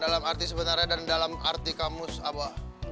dalam arti sebenarnya dan dalam arti kamu apa